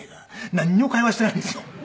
なんにも会話していないんですよ。